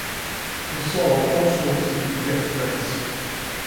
Persaud also received death threats.